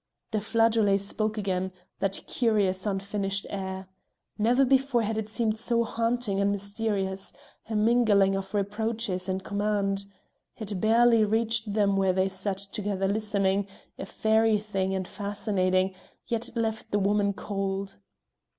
The flageolet spoke again that curious unfinished air. Never before had it seemed so haunting and mysterious; a mingling of reproaches and command. It barely reached them where they sat together listening, a fairy thing and fascinating, yet it left the woman cold.